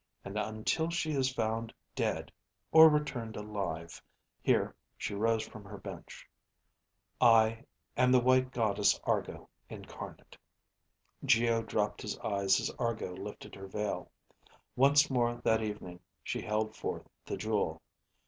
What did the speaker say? And until she is found dead, or returned alive ..." here she rose from her bench, "... I am the White Goddess Argo Incarnate." Geo dropped his eyes as Argo lifted her veil. Once more that evening she held forth the jewel.